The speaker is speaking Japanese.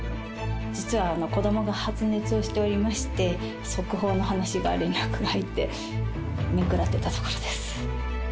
実は子どもが発熱をしておりまして、速報の話が連絡が入って、めんくらってたところです。